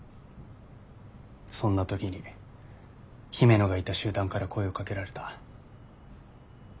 そんな時に姫野がいた集団から声をかけられた。